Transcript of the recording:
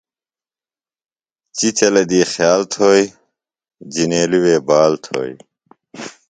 چِچلہ دی خیال تھوئیۡ، جِنیلیۡ وے بال تھوئی